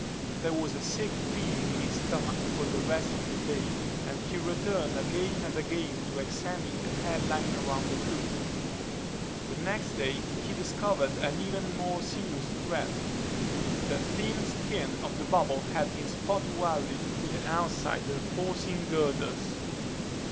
There was a sick feeling in his stomach for the rest of the day and he returned again and again to examine the hairline around the hook. The next day he discovered an even more serious threat: the thin skin of the bubble had been spot welded to the outside reinforcing girders.